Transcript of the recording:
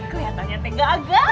kelihatannya tegak agak